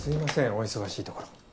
お忙しいところ。